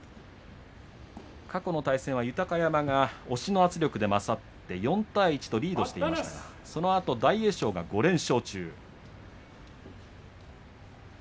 過去の対戦は豊山が押しの圧力で勝って４対１とリードしていましたがそのあと大栄翔が５連勝中。